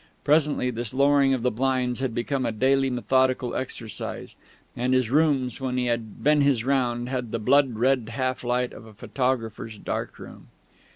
Presently this lowering of the blinds had become a daily methodical exercise, and his rooms, when he had been his round, had the blood red half light of a photographer's darkroom.